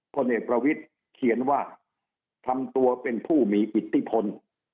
พลเอกประวิทย์เขียนว่าทำตัวเป็นผู้มีอิทธิพล